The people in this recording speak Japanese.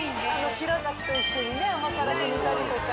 白滝と一緒に甘辛く煮たりとか。